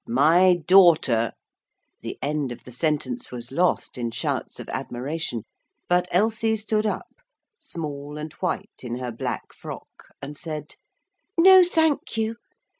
My daughter ' The end of the sentence was lost in shouts of admiration. But Elsie stood up, small and white in her black frock, and said, 'No thank you.